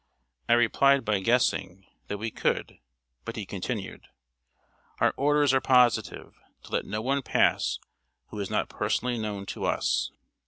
I replied by "guessing" that we could; but he continued: "Our orders are positive, to let no one pass who is not personally known to us."